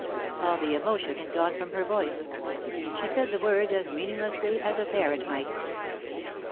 All the emotion had gone from her voice. She said the words as meaninglessly as a parrot might.